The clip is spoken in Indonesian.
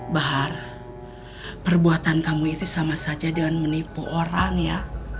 bahar perbuatan kamu itu sama saja dengan menipu orang ya